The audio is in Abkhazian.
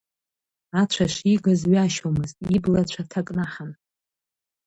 Ацәа шигыз ҩашьомызт, иблацәа ҭакнаҳан.